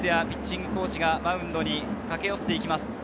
ピッチングコーチがマウンドに駆け寄っていきます。